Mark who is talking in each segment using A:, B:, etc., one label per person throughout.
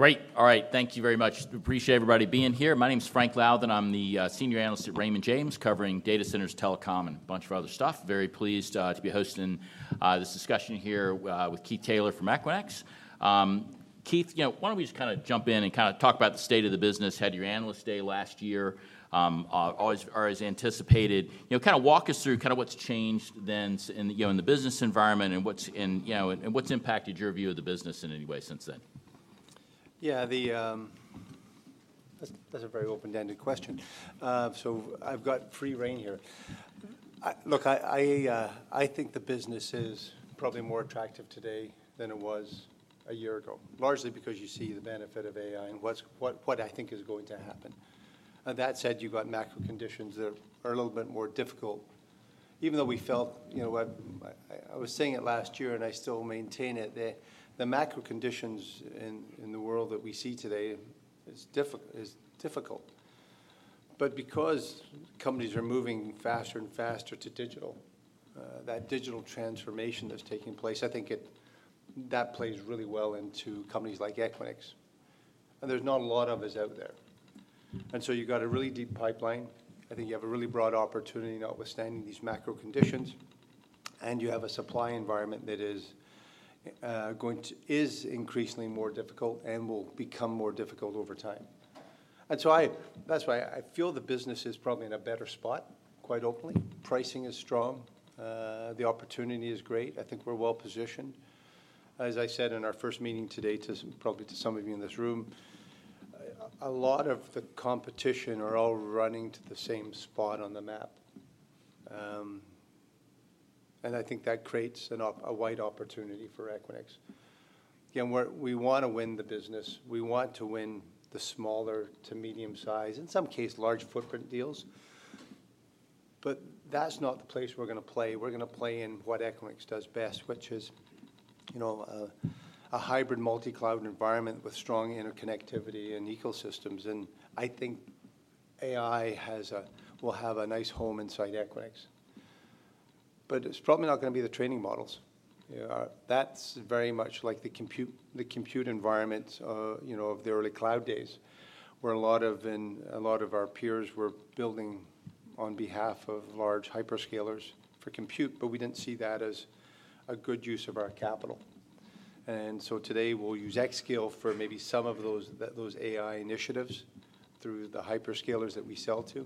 A: Great! All right, thank you very much. Appreciate everybody being here. My name is Frank Louthan. I'm the senior analyst at Raymond James, covering data centers, telecom, and a bunch of other stuff. Very pleased to be hosting this discussion here with Keith Taylor from Equinix. Keith, you know, why don't we just kinda jump in and kinda talk about the state of the business? Had your analyst day last year, or as anticipated. You know, kind of walk us through kind of what's changed then in, you know, in the business environment, and what's in, you know, and what's impacted your view of the business in any way since then?
B: Yeah, that's a very open-ended question. So I've got free rein here. Look, I think the business is probably more attractive today than it was a year ago, largely because you see the benefit of AI and what I think is going to happen. That said, you've got macro conditions that are a little bit more difficult. Even though we felt, you know, I was saying it last year, and I still maintain it, the macro conditions in the world that we see today is difficult. But because companies are moving faster and faster to digital, that digital transformation that's taking place, I think that plays really well into companies like Equinix, and there's not a lot of us out there. And so you've got a really deep pipeline. I think you have a really broad opportunity, notwithstanding these macro conditions, and you have a supply environment that is increasingly more difficult and will become more difficult over time. That's why I feel the business is probably in a better spot, quite openly. Pricing is strong. The opportunity is great. I think we're well positioned. As I said in our first meeting today, probably to some of you in this room, a lot of the competition are all running to the same spot on the map. And I think that creates a wide opportunity for Equinix. Again, we want to win the business. We want to win the smaller to medium size, in some case, large footprint deals, but that's not the place we're gonna play. We're gonna play in what Equinix does best, which is, you know, a hybrid multi-cloud environment with strong interconnectivity and ecosystems, and I think AI has a will have a nice home inside Equinix. But it's probably not gonna be the training models. That's very much like the compute environment, you know, of the early cloud days, where a lot of our peers were building on behalf of large hyperscalers for compute, but we didn't see that as a good use of our capital. And so today, we'll use xScale for maybe some of those, those AI initiatives through the hyperscalers that we sell to,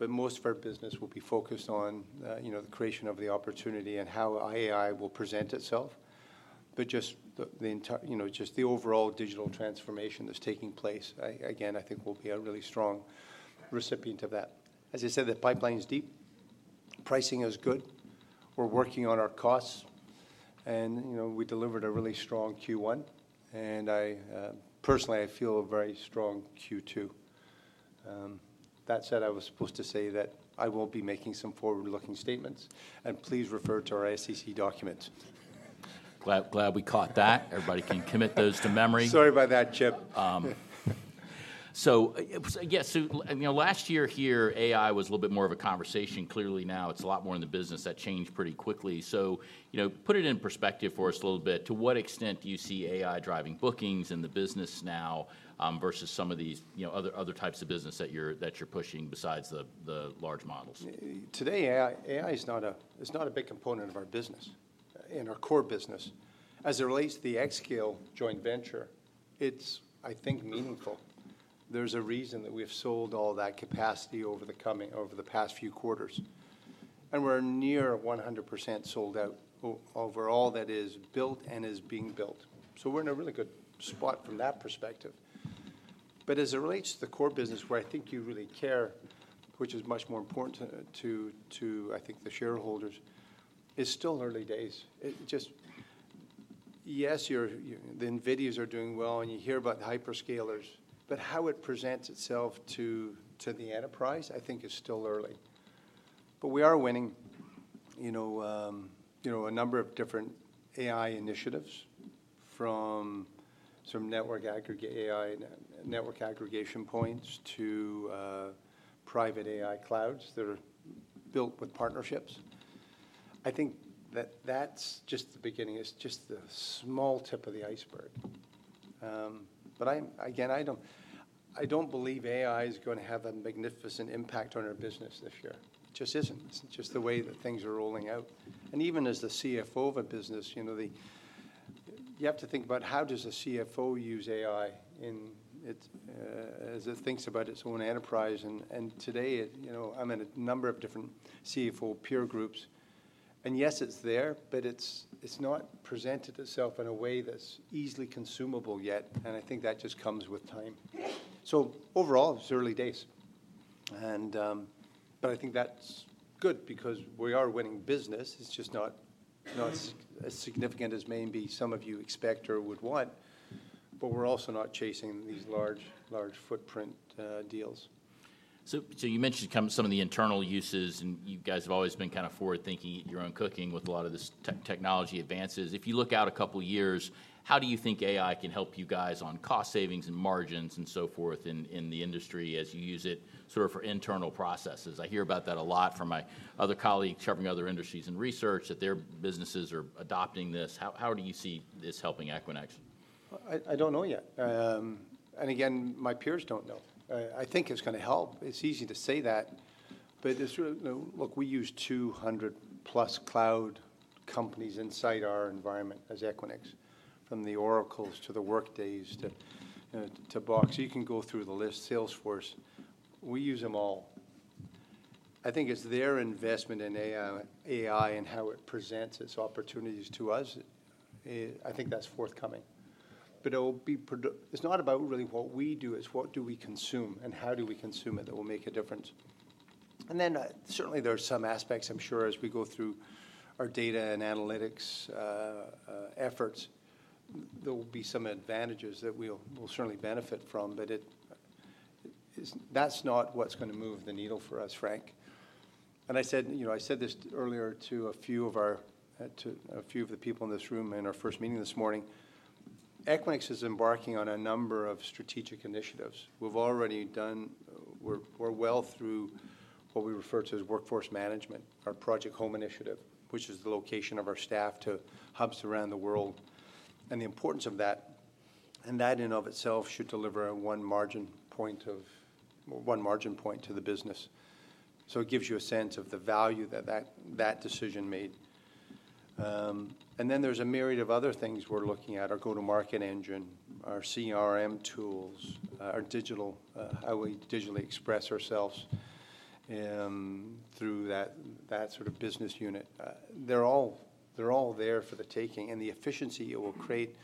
B: but most of our business will be focused on, you know, the creation of the opportunity and how AI will present itself. But just the entire, you know, just the overall digital transformation that's taking place, again, I think we'll be a really strong recipient of that. As I said, the pipeline is deep, pricing is good, we're working on our costs, and, you know, we delivered a really strong Q1, and I personally, I feel a very strong Q2. That said, I was supposed to say that I won't be making some forward-looking statements, and please refer to our SEC documents.
A: Glad, glad we caught that. Everybody can commit those to memory.
B: Sorry about that, Chip.
A: Yeah, so you know, last year here, AI was a little bit more of a conversation. Clearly, now it's a lot more in the business. That changed pretty quickly. So, you know, put it in perspective for us a little bit. To what extent do you see AI driving bookings in the business now, versus some of these, you know, other types of business that you're pushing besides the large models?
B: Today, AI is not a big component of our business, in our core business. As it relates to the xScale joint venture, it's, I think, meaningful. There's a reason that we have sold all that capacity over the past few quarters, and we're near 100% sold out overall that is built and is being built. So we're in a really good spot from that perspective. But as it relates to the core business, where I think you really care, which is much more important to, to, I think, the shareholders, it's still early days. It just... Yes, the NVIDIAs are doing well, and you hear about the hyperscalers, but how it presents itself to, to the enterprise, I think is still early. But we are winning, you know, you know, a number of different AI initiatives, from some network aggregate AI, network aggregation points to, private AI clouds that are built with partnerships. I think that that's just the beginning. It's just the small tip of the iceberg. But I'm, again, I don't, I don't believe AI is gonna have a magnificent impact on our business this year. It just isn't. It's just the way that things are rolling out. And even as the CFO of a business, you know, you have to think about, how does a CFO use AI in its, as it thinks about its own enterprise? Today, you know, I'm in a number of different CFO peer groups, and yes, it's there, but it's not presented itself in a way that's easily consumable yet, and I think that just comes with time. So overall, it's early days, and. But I think that's good because we are winning business. It's just not as significant as maybe some of you expect or would want, but we're also not chasing these large, large footprint deals.
A: So, you mentioned kind of some of the internal uses, and you guys have always been kind of forward-thinking, eat your own cooking with a lot of this technology advances. If you look out a couple of years, how do you think AI can help you guys on cost savings and margins and so forth in the industry as you use it sort of for internal processes? I hear about that a lot from my other colleagues covering other industries and research, that their businesses are adopting this. How do you see this helping Equinix?...
B: I don't know yet. And again, my peers don't know. I think it's gonna help. It's easy to say that, but it's sort of - look, we use 200+ cloud companies inside our environment as Equinix, from the Oracles to the Workdays to Box. You can go through the list, Salesforce. We use them all. I think it's their investment in AI, AI and how it presents its opportunities to us. I think that's forthcoming. But it will be produ - It's not about really what we do, it's what do we consume, and how do we consume it that will make a difference? And then, certainly there are some aspects, I'm sure, as we go through our data and analytics efforts, there will be some advantages that we'll certainly benefit from, but it's-- that's not what's gonna move the needle for us, Frank. And I said, you know, I said this earlier to a few of the people in this room in our first meeting this morning, Equinix is embarking on a number of strategic initiatives. We've already done-- we're well through what we refer to as workforce management, our Project Home initiative, which is the location of our staff to hubs around the world, and the importance of that. And that in of itself should deliver one margin point to the business. So it gives you a sense of the value that decision made. And then there's a myriad of other things we're looking at, our go-to-market engine, our CRM tools, our digital, how we digitally express ourselves, through that, that sort of business unit. They're all, they're all there for the taking, and the efficiency it will create,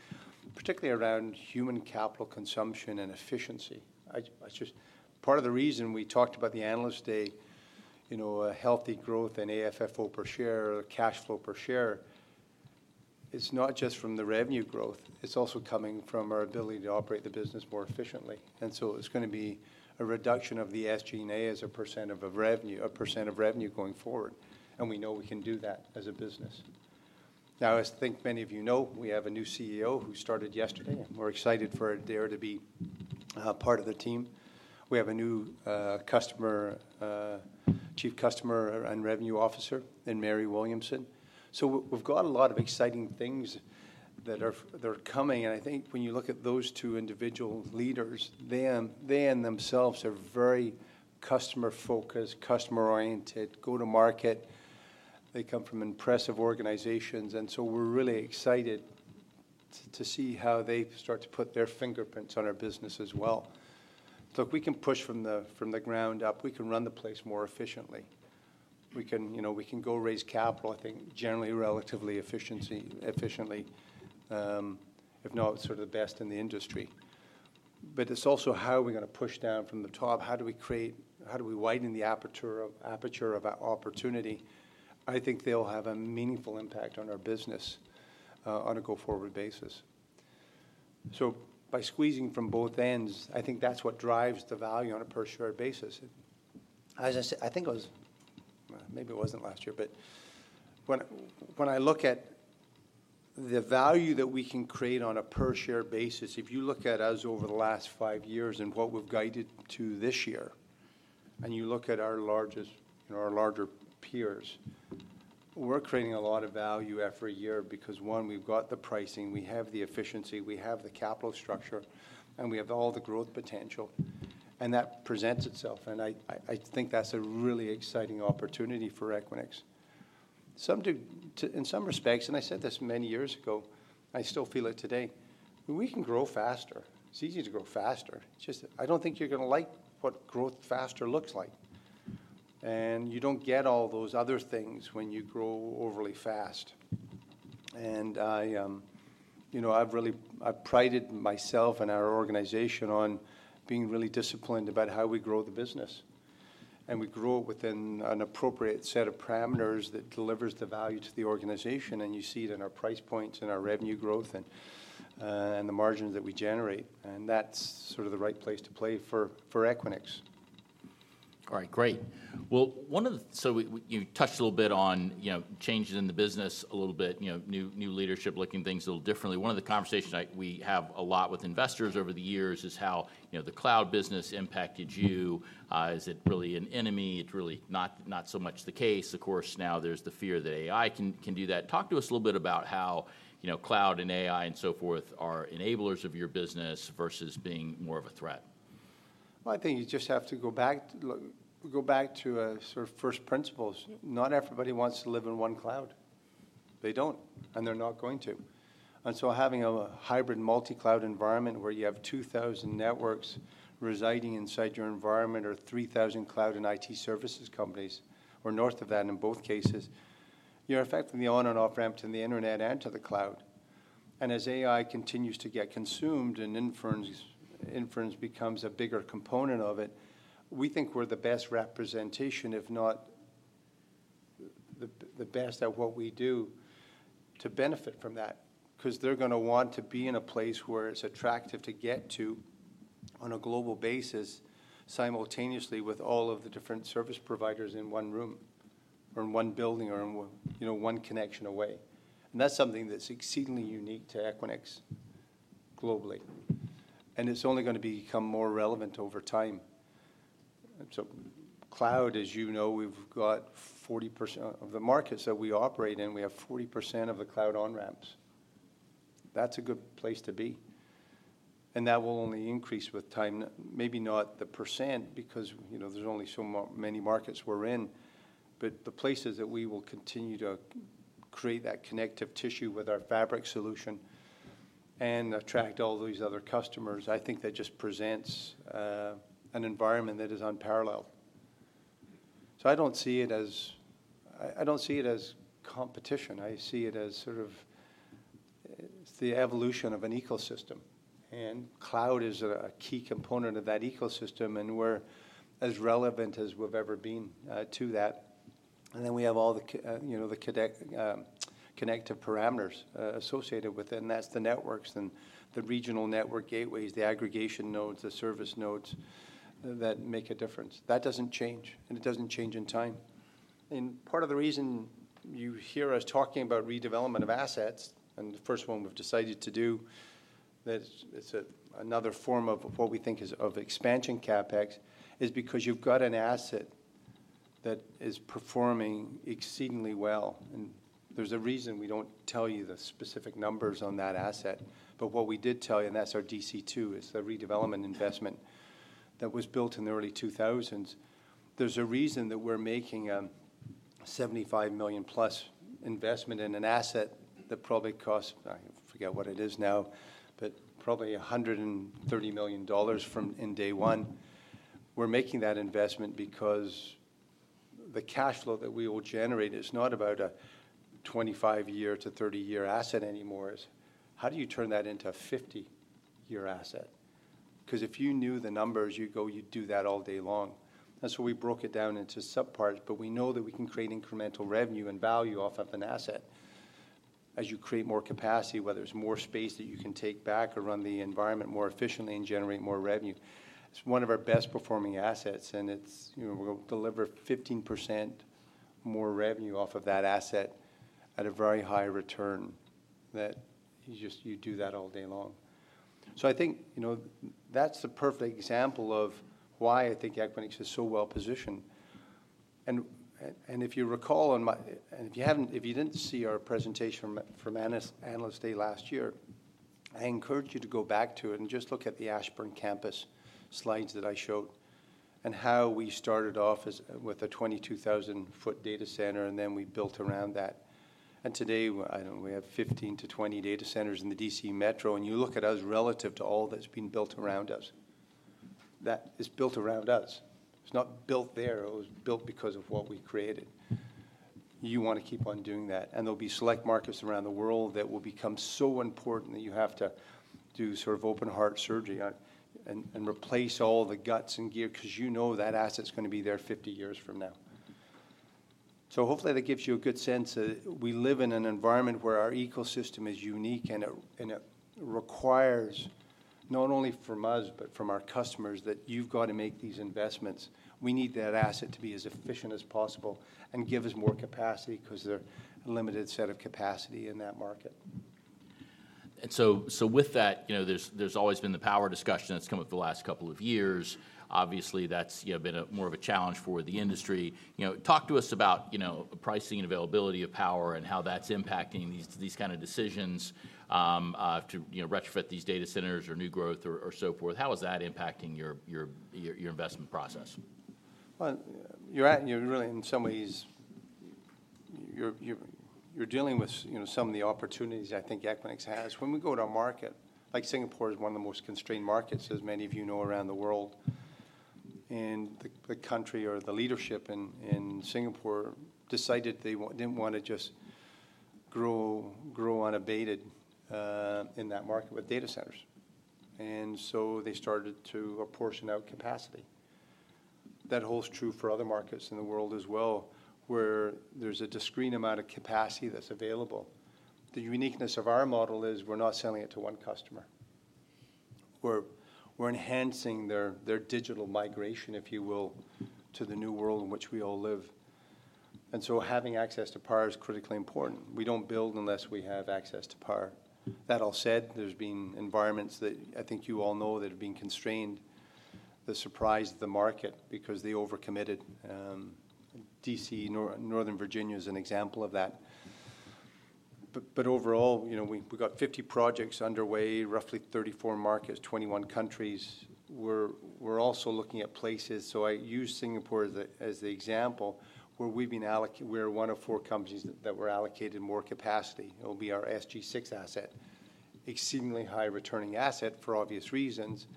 B: particularly around human capital consumption and efficiency. That's just part of the reason we talked about the Analyst Day, you know, a healthy growth in AFFO per share or cash flow per share. It's not just from the revenue growth, it's also coming from our ability to operate the business more efficiently. And so it's gonna be a reduction of the SG&A as a percent of revenue going forward, and we know we can do that as a business. Now, as I think many of you know, we have a new CEO who started yesterday, and we're excited for Adaire to be part of the team. We have a new Chief Customer and Revenue Officer in Mary Williamson. So we've got a lot of exciting things that are coming, and I think when you look at those two individual leaders, they in themselves are very customer focused, customer oriented, go to market. They come from impressive organizations, and so we're really excited to see how they start to put their fingerprints on our business as well. Look, we can push from the ground up. We can run the place more efficiently. We can, you know, we can go raise capital, I think, generally, relatively efficiently, if not sort of the best in the industry. But it's also, how are we gonna push down from the top? How do we create, how do we widen the aperture of our opportunity? I think they'll have a meaningful impact on our business on a go-forward basis. So by squeezing from both ends, I think that's what drives the value on a per-share basis. As I said, I think it was... Well, maybe it wasn't last year, but when I look at the value that we can create on a per-share basis, if you look at us over the last five years and what we've guided to this year, and you look at our largest, you know, our larger peers, we're creating a lot of value every year, because, one, we've got the pricing, we have the efficiency, we have the capital structure, and we have all the growth potential, and that presents itself. And I think that's a really exciting opportunity for Equinix. In some respects, and I said this many years ago, I still feel it today, we can grow faster. It's easy to grow faster. It's just, I don't think you're gonna like what growth faster looks like. And you don't get all those other things when you grow overly fast. And I, you know, I've really, I've prided myself and our organization on being really disciplined about how we grow the business, and we grow it within an appropriate set of parameters that delivers the value to the organization, and you see it in our price points and our revenue growth and, and the margins that we generate, and that's sort of the right place to play for Equinix.
A: All right, great. Well, one of the—so we—you touched a little bit on, you know, changes in the business a little bit, you know, new, new leadership, looking at things a little differently. One of the conversations we have a lot with investors over the years is how, you know, the cloud business impacted you. Is it really an enemy? It's really not, not so much the case. Of course, now there's the fear that AI can do that. Talk to us a little bit about how, you know, cloud and AI and so forth are enablers of your business versus being more of a threat.
B: Well, I think you just have to go back to look, go back to sort of first principles. Not everybody wants to live in one cloud. They don't, and they're not going to. And so having a hybrid multi-cloud environment where you have 2,000 networks residing inside your environment, or 3,000 cloud and IT services companies, or north of that in both cases, you're affecting the on and off-ramps to the internet and to the cloud. And as AI continues to get consumed and inference, inference becomes a bigger component of it, we think we're the best representation, if not the best at what we do, to benefit from that. 'Cause they're gonna want to be in a place where it's attractive to get to on a global basis, simultaneously with all of the different service providers in one room or in one building or in one, you know, one connection away. And that's something that's exceedingly unique to Equinix globally, and it's only gonna become more relevant over time.... And so cloud, as you know, we've got 40%, of the markets that we operate in, we have 40% of the cloud on-ramps. That's a good place to be, and that will only increase with time. Maybe not the percent, because, you know, there's only so many markets we're in, but the places that we will continue to create that connective tissue with our fabric solution and attract all these other customers, I think that just presents an environment that is unparalleled. I don't see it as competition. I see it as sort of the evolution of an ecosystem, and cloud is a key component of that ecosystem, and we're as relevant as we've ever been to that. Then we have all the, you know, the connective parameters associated with it, and that's the networks and the regional network gateways, the aggregation nodes, the service nodes that make a difference. That doesn't change, and it doesn't change in time. Part of the reason you hear us talking about redevelopment of assets, and the first one we've decided to do, that's another form of what we think is expansion CapEx, is because you've got an asset that is performing exceedingly well, and there's a reason we don't tell you the specific numbers on that asset. But what we did tell you, and that's our DC2, is the redevelopment investment that was built in the early 2000s. There's a reason that we're making a $75 million+ investment in an asset that probably cost—I forget what it is now, but probably $130 million from day one. We're making that investment because the cash flow that we will generate is not about a 25-year-30-year asset anymore. It's how do you turn that into a 50-year asset? 'Cause if you knew the numbers, you'd go, you'd do that all day long. That's why we broke it down into subparts, but we know that we can create incremental revenue and value off of an asset as you create more capacity, whether it's more space that you can take back or run the environment more efficiently and generate more revenue. It's one of our best-performing assets, and it's, you know, we'll deliver 15% more revenue off of that asset at a very high return that you just, you'd do that all day long. So I think, you know, that's the perfect example of why I think Equinix is so well positioned. And, and if you recall, on my... And if you haven't—if you didn't see our presentation from Analyst Day last year, I encourage you to go back to it and just look at the Ashburn Campus slides that I showed, and how we started off as with a 22,000-foot data center, and then we built around that. And today, I know we have 15-20 data centers in the DC metro, and you look at us relative to all that's been built around us. That is built around us. It's not built there. It was built because of what we created. You want to keep on doing that, and there'll be select markets around the world that will become so important that you have to do sort of open heart surgery on and replace all the guts and gear 'cause you know that asset's gonna be there 50 years from now. So hopefully that gives you a good sense that we live in an environment where our ecosystem is unique, and it requires, not only from us, but from our customers, that you've got to make these investments. We need that asset to be as efficient as possible and give us more capacity 'cause they're a limited set of capacity in that market.
A: So with that, you know, there's always been the power discussion that's come up the last couple of years. Obviously, that's, you know, been more of a challenge for the industry. You know, talk to us about, you know, pricing and availability of power and how that's impacting these kind of decisions to, you know, retrofit these data centers or new growth or so forth. How is that impacting your investment process?
B: Well, you're really in some of these. You're dealing with, you know, some of the opportunities I think Equinix has. When we go to a market, like Singapore is one of the most constrained markets, as many of you know, around the world, and the country or the leadership in Singapore decided they didn't want to just grow unabated in that market with data centers, and so they started to apportion out capacity. That holds true for other markets in the world as well, where there's a discrete amount of capacity that's available. The uniqueness of our model is we're not selling it to one customer. We're enhancing their digital migration, if you will, to the new world in which we all live, and so having access to power is critically important. We don't build unless we have access to power. That all said, there's been environments that I think you all know that have been constrained that surprised the market because they overcommitted. DC, Northern Virginia is an example of that. But overall, you know, we, we've got 50 projects underway, roughly 34 markets, 21 countries. We're also looking at places, so I use Singapore as the, as the example, where we've been allocated more capacity. We're one of four companies that were allocated more capacity. It will be our SG6 asset. Exceedingly high returning asset, for obvious reasons,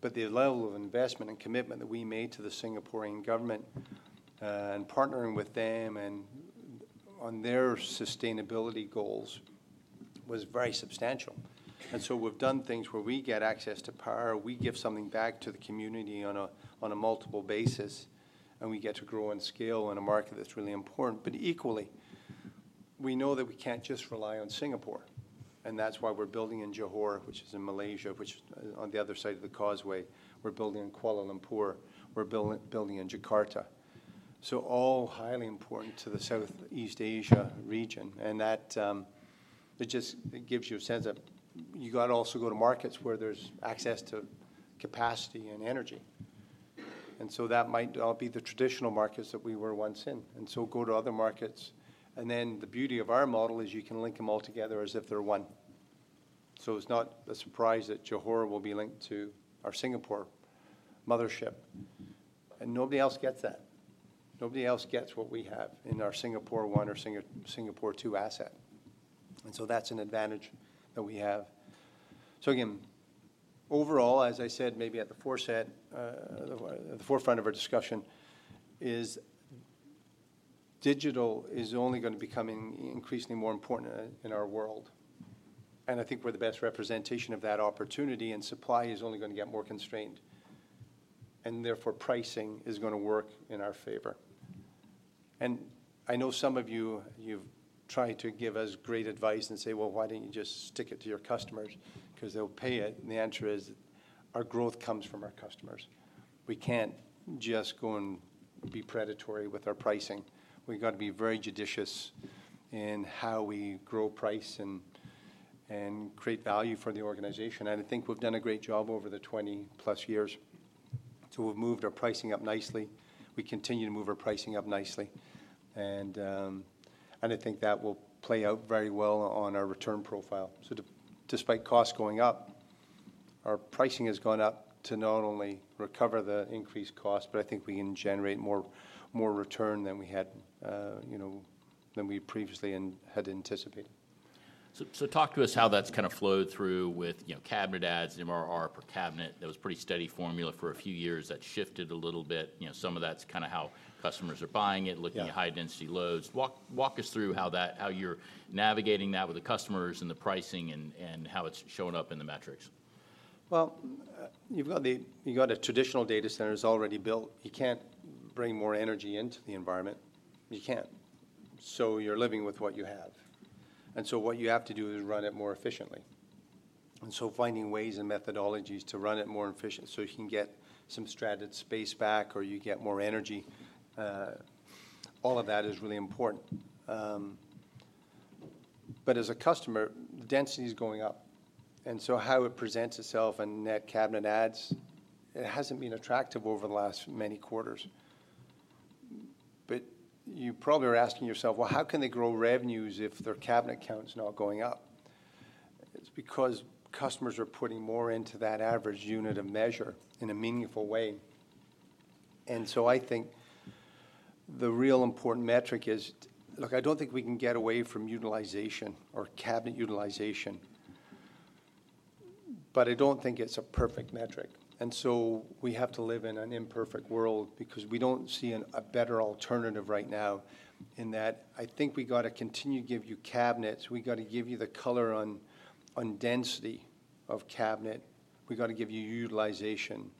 B: but the level of investment and commitment that we made to the Singaporean government and partnering with them and on their sustainability goals was very substantial. And so we've done things where we get access to power, we give something back to the community on a multiple basis, and we get to grow and scale in a market that's really important. But equally, we know that we can't just rely on Singapore, and that's why we're building in Johor, which is in Malaysia, which is on the other side of the causeway. We're building in Kuala Lumpur. We're building in Jakarta. So all highly important to the Southeast Asia region, and that it just gives you a sense of you gotta also go to markets where there's access to capacity and energy. And so that might not be the traditional markets that we were once in, and so go to other markets. And then the beauty of our model is you can link them all together as if they're one. So it's not a surprise that Johor will be linked to our Singapore mothership, and nobody else gets that. Nobody else gets what we have in our Singapore One or Singapore Two asset, and so that's an advantage that we have. So again, overall, as I said, maybe at the forefront of our discussion is digital is only gonna be becoming increasingly more important in our world. And I think we're the best representation of that opportunity, and supply is only gonna get more constrained, and therefore, pricing is gonna work in our favor. And I know some of you, you've tried to give us great advice and say: Well, why don't you just stick it to your customers? 'Cause they'll pay it, and the answer is, our growth comes from our customers. We can't just go and be predatory with our pricing. We've got to be very judicious in how we grow price and create value for the organization, and I think we've done a great job over the 20+ years to have moved our pricing up nicely. We continue to move our pricing up nicely, and I think that will play out very well on our return profile. So despite costs going up, our pricing has gone up to not only recover the increased cost, but I think we can generate more return than we had, you know, than we previously had anticipated.
A: So, talk to us how that's kind of flowed through with, you know, cabinet adds, MRR per cabinet. That was a pretty steady formula for a few years that shifted a little bit. You know, some of that's kinda how customers are buying it-
B: Yeah...
A: looking at high-density loads. Walk us through how that, how you're navigating that with the customers and the pricing and how it's showing up in the metrics.
B: Well, you've got a traditional data center that's already built. You can't bring more energy into the environment. You can't. So you're living with what you have, and so what you have to do is run it more efficiently. And so finding ways and methodologies to run it more efficient, so you can get some stranded space back, or you get more energy, all of that is really important. But as a customer, density is going up, and so how it presents itself and net cabinet adds, it hasn't been attractive over the last many quarters. But you probably are asking yourself: Well, how can they grow revenues if their cabinet count's not going up? It's because customers are putting more into that average unit of measure in a meaningful way. And so I think the real important metric is... Look, I don't think we can get away from utilization or cabinet utilization, but I don't think it's a perfect metric. So we have to live in an imperfect world because we don't see a better alternative right now in that I think we gotta continue to give you cabinets. We gotta give you the color on density of cabinet. We gotta give you utilization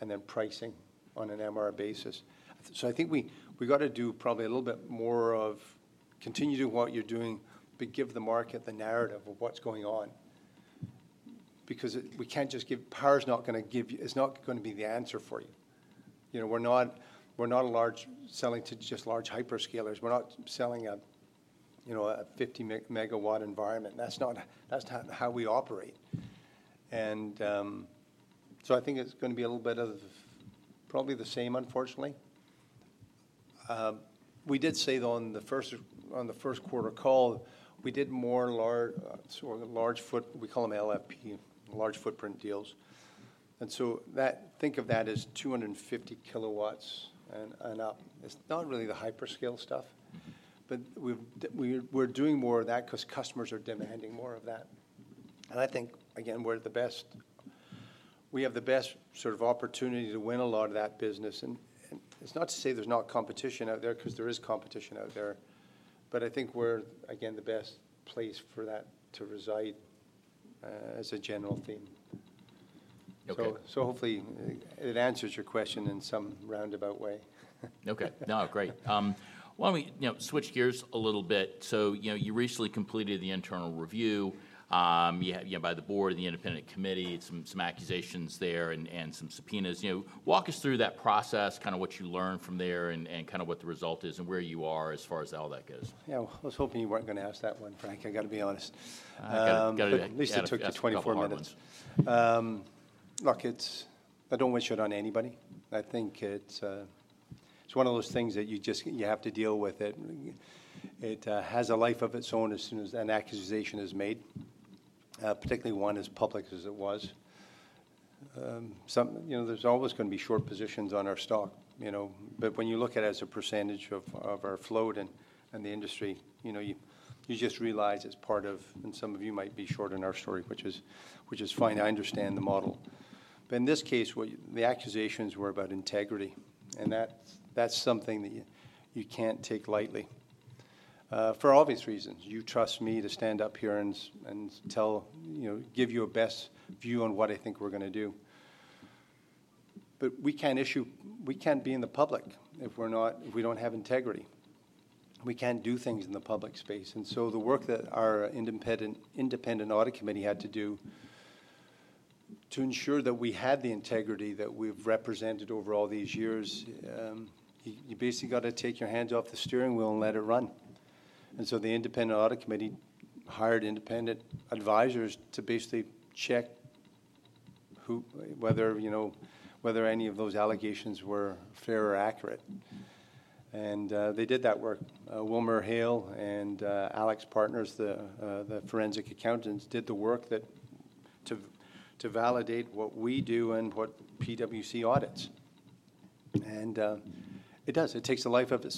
B: and then pricing on an MR basis. So I think we gotta do probably a little bit more of continue to do what you're doing, but give the market the narrative of what's going on. Because it, we can't just give... Power's not gonna give you, it's not gonna be the answer for you. You know, we're not selling to just large hyperscalers. We're not selling a, you know, a 50 MW environment. That's not, that's not how we operate. And, so I think it's gonna be a little bit of probably the same, unfortunately. We did say, though, on the first, on the first quarter call, we did more large, sort of large footprint deals. We call them LFP, large footprint deals. And so that, think of that as 250 kW and up. It's not really the hyperscale stuff, but we're doing more of that 'cause customers are demanding more of that. And I think, again, we're the best. We have the best sort of opportunity to win a lot of that business. And it's not to say there's not competition out there, 'cause there is competition out there, but I think we're, again, the best place for that to reside, as a general theme.
A: Okay.
B: So, hopefully it answers your question in some roundabout way.
A: Okay. No, great. Why don't we, you know, switch gears a little bit? So, you know, you recently completed the internal review, yeah, you know, by the board and the independent committee, some accusations there and some subpoenas. You know, walk us through that process, kinda what you learned from there and kinda what the result is and where you are as far as how that goes.
B: Yeah, I was hoping you weren't gonna ask that one, Frank. I gotta be honest.
A: I gotta—
B: At least it took you 24 minutes.
A: Ask a couple hard ones.
B: Look, it's... I don't wish it on anybody. I think it's one of those things that you just have to deal with it. It has a life of its own as soon as an accusation is made, particularly one as public as it was. You know, there's always gonna be short positions on our stock, you know, but when you look at it as a percentage of our float and the industry, you know, you just realize it's part of... And some of you might be short on our story, which is fine. I understand the model. But in this case, the accusations were about integrity, and that's something that you can't take lightly, for obvious reasons. You trust me to stand up here and tell, you know, give you a best view on what I think we're gonna do. But we can't issue—we can't be in the public if we're not—if we don't have integrity. We can't do things in the public space. And so the work that our independent audit committee had to do to ensure that we had the integrity that we've represented over all these years, you basically gotta take your hands off the steering wheel and let it run. And so the independent audit committee hired independent advisors to basically check whether, you know, whether any of those allegations were fair or accurate. And they did that work. WilmerHale and AlixPartners, the forensic accountants, did the work to validate what we do and what PwC audits. And it does, it takes a life of its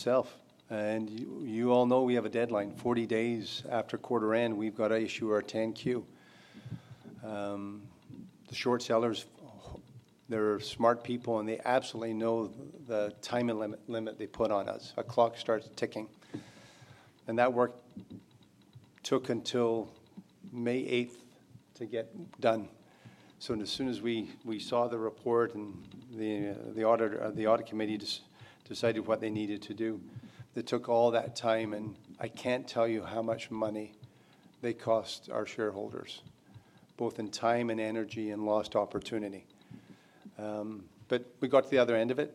B: own. And you all know we have a deadline, 40 days after quarter end, we've got to issue our 10-Q. The short sellers, they're smart people, and they absolutely know the timing limit they put on us. A clock starts ticking. And that work took until May 8th to get done. So as soon as we saw the report and the auditor, the audit committee decided what they needed to do, that took all that time, and I can't tell you how much money they cost our shareholders, both in time and energy and lost opportunity. But we got to the other end of it.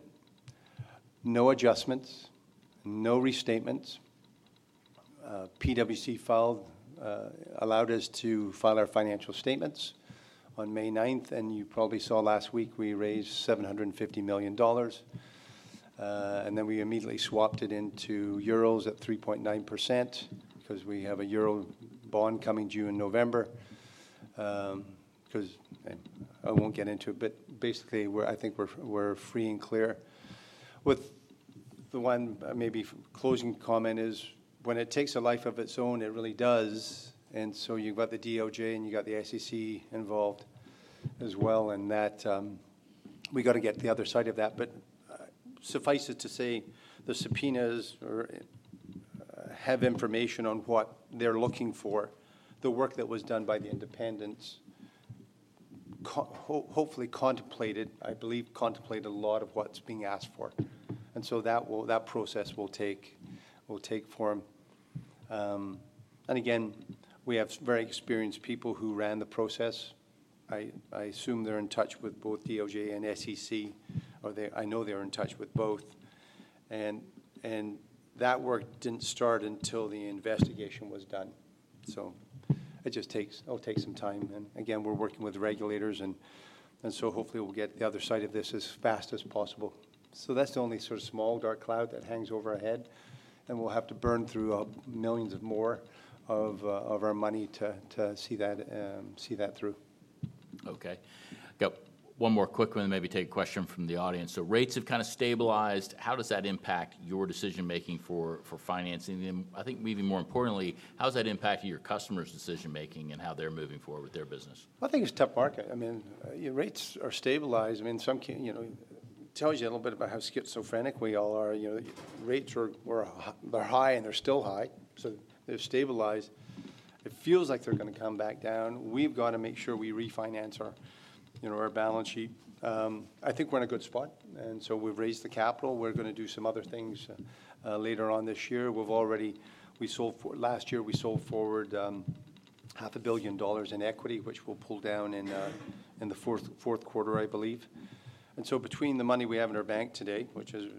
B: No adjustments, no restatements. PwC filed, allowed us to file our financial statements on May 9th, and you probably saw last week we raised $750 million. And then we immediately swapped it into euros at 3.9%, 'cause we have a euro bond coming due in November. I won't get into it, but basically, we're—I think we're free and clear. With the one, maybe closing comment is, when it takes a life of its own, it really does, and so you've got the DOJ and you got the SEC involved as well, and that, we got to get the other side of that. But, suffice it to say, the subpoenas have information on what they're looking for. The work that was done by the independents hopefully contemplated, I believe, contemplated a lot of what's being asked for. And so that will, that process will take form. And again, we have very experienced people who ran the process. I assume they're in touch with both DOJ and SEC. I know they're in touch with both. And that work didn't start until the investigation was done. So it just takes. It'll take some time. And again, we're working with the regulators, and so hopefully we'll get the other side of this as fast as possible. So that's the only sort of small dark cloud that hangs over our head, and we'll have to burn through millions more of our money to see that through.
A: Okay. Got one more quick one, and maybe take a question from the audience. So rates have kind of stabilized. How does that impact your decision-making for financing them? I think maybe more importantly, how is that impacting your customers' decision-making and how they're moving forward with their business?
B: Well, I think it's a tough market. I mean, rates are stabilized. I mean, some can, you know, tells you a little bit about how schizophrenic we all are. You know, rates are, they're high, and they're still high, so they've stabilized. It feels like they're gonna come back down. We've got to make sure we refinance our, you know, our balance sheet. I think we're in a good spot, and so we've raised the capital. We're gonna do some other things later on this year. Last year, we sold forward $500 million in equity, which we'll pull down in the fourth quarter, I believe. And so between the money we have in our bank today, which is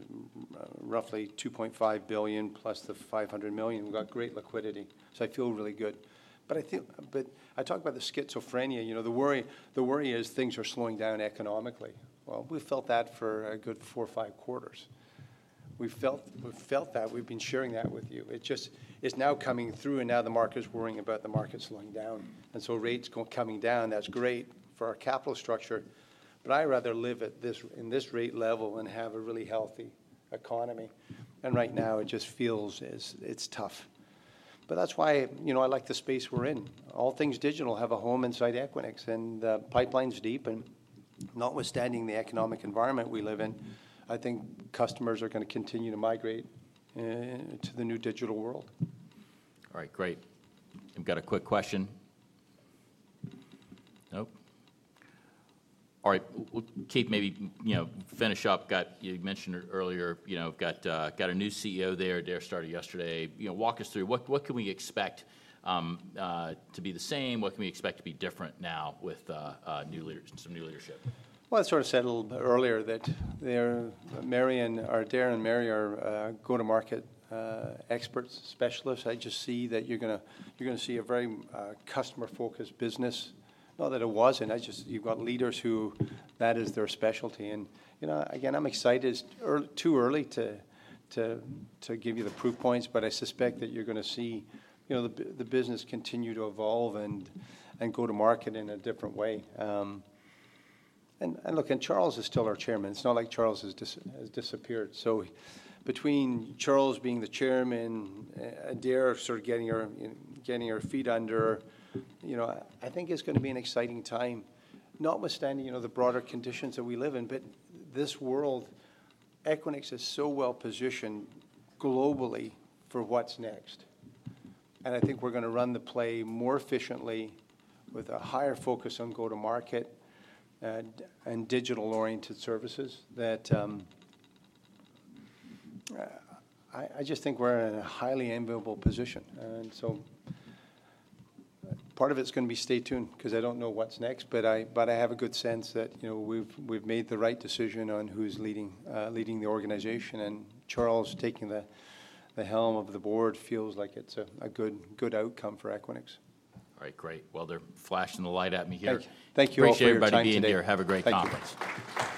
B: roughly $2.5 billion plus the $500 million, we've got great liquidity. So I feel really good. But I feel, but I talk about the schizophrenia, you know, the worry, the worry is things are slowing down economically. Well, we've felt that for a good four or five quarters. We've felt, we've felt that. We've been sharing that with you. It just, it's now coming through, and now the market is worrying about the market slowing down, and so rates coming down, that's great for our capital structure, but I rather live in this rate level and have a really healthy economy. And right now it just feels as it's tough. But that's why, you know, I like the space we're in. All things digital have a home inside Equinix, and the pipeline's deep, and notwithstanding the economic environment we live in, I think customers are gonna continue to migrate to the new digital world.
A: All right, great. I've got a quick question. Nope? All right, Keith, maybe, you know, finish up. You mentioned earlier, you know, got a new CEO there. Adaire started yesterday. You know, walk us through, what, what can we expect to be the same, what can we expect to be different now with new leaders, some new leadership?
B: Well, I sort of said a little bit earlier that they're, Mary and—or Adaire and Mary are go-to-market experts, specialists. I just see that you're gonna, you're gonna see a very customer-focused business. Not that it wasn't, I just... You've got leaders who that is their specialty. And, you know, again, I'm excited. It's too early to give you the proof points, but I suspect that you're gonna see, you know, the business continue to evolve and go to market in a different way. And look, Charles is still our chairman. It's not like Charles has disappeared. So between Charles being the chairman and Adaire sort of getting her feet under her, you know, I think it's gonna be an exciting time. Notwithstanding, you know, the broader conditions that we live in, but this world, Equinix is so well-positioned globally for what's next. I think we're gonna run the play more efficiently with a higher focus on go-to-market and digital-oriented services that I just think we're in a highly enviable position. So part of it's gonna be stay tuned, 'cause I don't know what's next, but I have a good sense that, you know, we've made the right decision on who's leading the organization. Charles taking the helm of the board feels like it's a good outcome for Equinix.
A: All right, great. Well, they're flashing the light at me here.
B: Thank you all for your time today.
A: Appreciate everybody being here. Have a great conference.